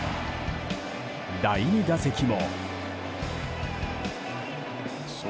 第２打席も。